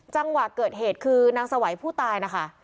จังหวะเกิดเหตุคือนางสวัยผู้ตายนะคะ